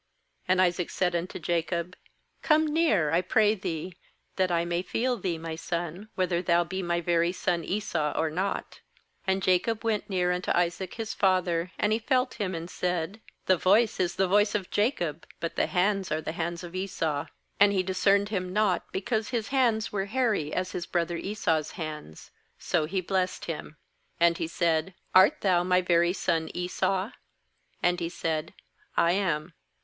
21And Isaac said unto Jacob: 'Come near, I pray thee, that I may feel thee, my son, whether thou be my very son Esau or not.' ^And Jacob went near unto Isaac his father; and he felt him, and said: 'The voice is the voice of Jacob, but the hands are the hands of Esau.' ^And he discerned him not, because his hands were hairy, as his brother Esau's hands; so he blessed him, 24Andhesaid: 'Art thou my very son Esau?' And he said: 'I am.'